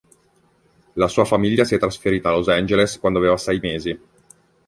La sua famiglia si è trasferita a Los Angeles quando aveva sei mesi.